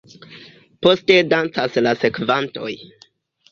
Poste dancas la sekvantoj.